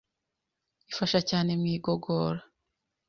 ifasha cyane mu igogora